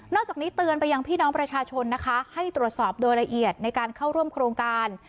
จากนี้เตือนไปยังพี่น้องประชาชนนะคะให้ตรวจสอบโดยละเอียดในการเข้าร่วมโครงการ